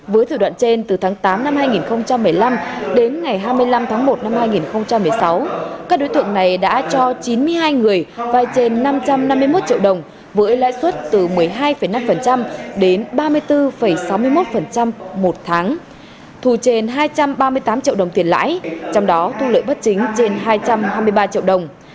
với thủ đoạn trên từ tháng tám năm hai nghìn một mươi năm đến ngày hai mươi năm tháng một năm hai nghìn một mươi sáu các đối tượng này đã cho chín mươi hai người vay trên năm trăm năm mươi một triệu đồng với lãi suất từ một mươi hai năm đến ba mươi bốn sáu mươi một một tháng thù trên hai trăm ba mươi tám triệu đồng tiền lãi trong đó thu lợi bất chính trên hai trăm hai mươi ba triệu đồng